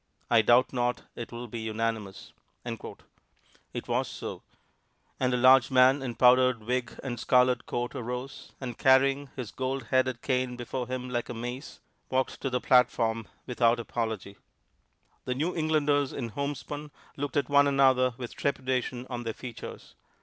I doubt not it will be unanimous." It was so; and a large man in powdered wig and scarlet coat arose, and, carrying his gold headed cane before him like a mace, walked to the platform without apology. The New Englanders in homespun looked at one another with trepidation on their features.